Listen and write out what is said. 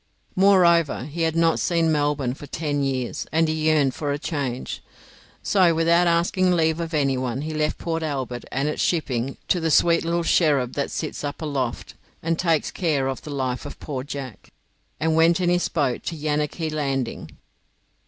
Moreover, he had not seen Melbourne for ten years, and he yearned for a change. So, without asking leave of anyone, he left Port Albert and its shipping "to the sweet little cherub that sits up aloft, and takes care of the life of Poor Jack," and went in his boat to Yanakie Landing.